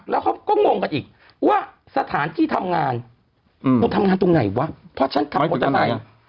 แล้วเขาก็งงกันอีกว่าสถานที่ทำงานเธอทำงานตรงไหนวะเพราะฉันขับมอเตอร์ไซค์